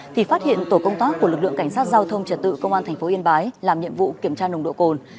thì phát hiện tổ công tác của lực lượng cảnh sát giao thông trật tự công an tp yên bái làm nhiệm vụ kiểm tra nồng độ cồn